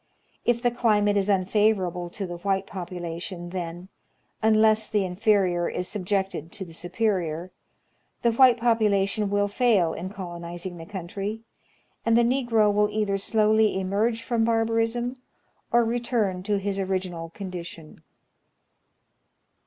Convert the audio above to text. If the climate is unfavorable to the white population, then, unless the inferior is subjected to the superior, the white population will fail in colonizing the country, and the Negro will either slowly emerge from barbar ism, or return to his original condition.